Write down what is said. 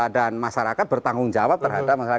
dan masyarakat bertanggung jawab terhadap masyarakat